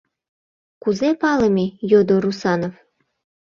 Кузе палыме? — йодо Русанов.